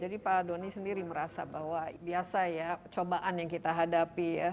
jadi pak adonis sendiri merasa bahwa biasa ya cobaan yang kita hadapi ya